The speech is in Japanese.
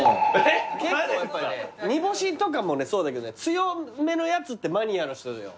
煮干しとかもそうだけどね強めのやつってマニアの人だよ。